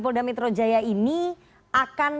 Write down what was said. polda metro jaya ini akan